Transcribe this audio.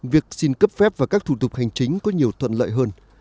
việc xin cấp phép và các thủ tục hành chính có nhiều thuận lợi hơn